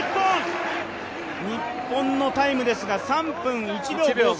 日本のタイムですが３分１秒５３。